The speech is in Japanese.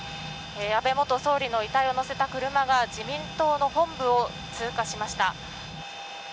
安倍元総理の遺体を乗せた車が自民党の本部を通過しました。